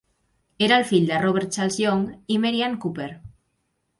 Era el fill de Robert Charles Young i Mary Ann Cooper.